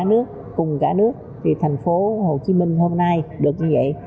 vì cả nước cùng cả nước thì thành phố hồ chí minh hôm nay được như vậy